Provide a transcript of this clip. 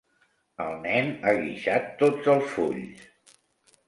El nen ha guixat tots els fulls.